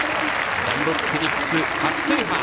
ダンロップフェニックス初制覇。